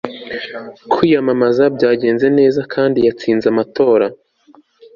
kwiyamamaza byagenze neza kandi yatsinze amatora